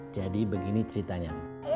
jadi begini ceritanya